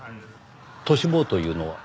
トシ坊というのは？